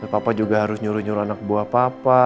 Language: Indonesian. papa juga harus nyuruh nyuruh anak buah papa